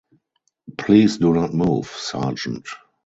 Please do not move, Sergeant.